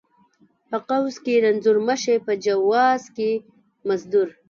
ـ په قوس کې رنځور مشې، په جواز کې مزدور.